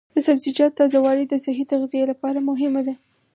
د سبزیجاتو تازه والي د صحي تغذیې لپاره مهمه ده.